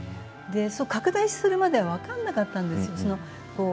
拡大するまでは分からなかったんですよ。